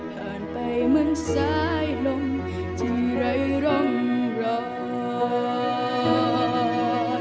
ผ่านไปมันสายลงที่ไร้ร่องรอย